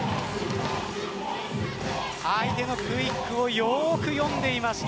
相手のクイックをよく読んでいました。